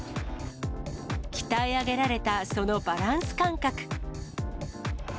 鍛え上げられたそのバランス感覚。